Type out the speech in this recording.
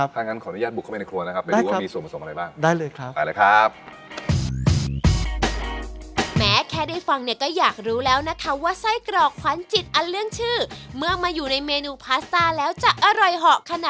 ถ้าอย่างงั้นขออนุญาตบุกเข้าไปในครัวนะครับได้ครับไปดูว่ามีส่วนผสมอะไรบ้าง